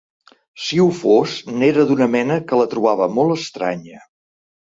Si ho fos n'era d'una mena que la trobava molt estranya